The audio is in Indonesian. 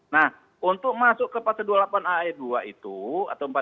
nah untuk masuk ke pasal dua puluh delapan a dua itu atau empat puluh lima a dua